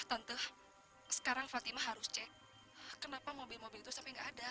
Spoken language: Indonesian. tante sekarang fatimah harus cek kenapa mobil mobil itu sampe gak ada